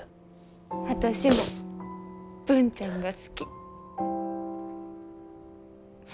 私も文ちゃんが好き。